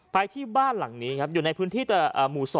ไปที่บ้านหลังนี้ครับอยู่ในพื้นที่หมู่๒